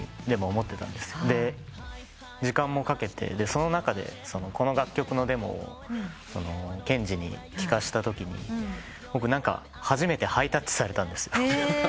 その中でこの楽曲のデモを健司に聞かせたときに初めてハイタッチされたんですよ。